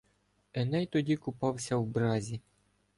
Еней тогді купався в бразі